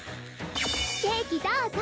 ケーキどうぞ。